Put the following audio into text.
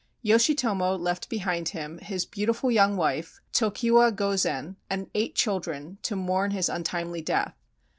Yoshitomo left behind him his beautiful young wife, Tokiwa Gozen, and eight children, to mourn his un timely death.